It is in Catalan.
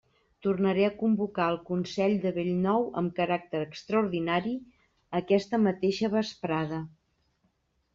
Tornaré a convocar el consell de bell nou amb caràcter extraordinari aquesta mateixa vesprada.